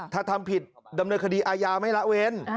ถ้าทำผิดดำเนินคดีอาญาไม่ละเว้น